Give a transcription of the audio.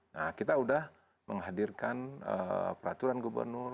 nah kita sudah menghadirkan peraturan gubernur